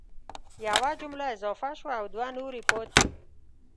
یوه جمله اضافه شوه او دوه نورې پاتي